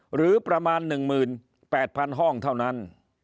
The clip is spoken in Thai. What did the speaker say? หรือประมาณ๑๘๐๐๐ห้องเท่านั้น